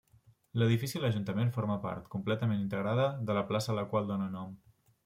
L'edifici de l'Ajuntament forma part, completament integrada, de la plaça a la qual dóna nom.